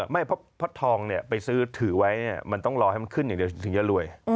ไม่เพราะทองไปซื้อถือไว้มันต้องรอให้มันขึ้นอย่างเดียวถึงจะรวย